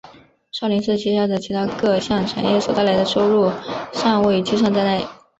少林寺旗下的其它各项产业所带来的收入尚未计算在内。